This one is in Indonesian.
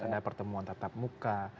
ada pertemuan tatap muka